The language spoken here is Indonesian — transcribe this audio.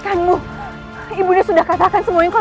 aku harus mencari tempat yang lebih aman